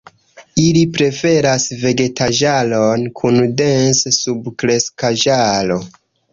Ili preferas vegetaĵaron kun dense subkreskaĵaro.